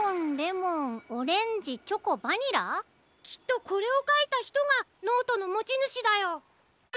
きっとこれをかいたひとがノートのもちぬしだよ。